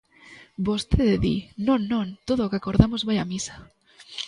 Vostede di: non, non, todo o que acordamos vai a misa.